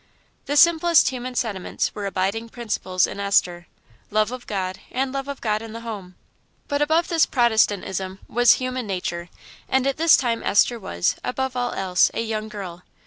The simplest human sentiments were abiding principles in Esther love of God, and love of God in the home. But above this Protestantism was human nature; and at this time Esther was, above all else, a young girl.